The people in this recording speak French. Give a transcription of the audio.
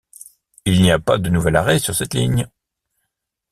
Il n'y a pas de nouvel arrêt sur cette ligne.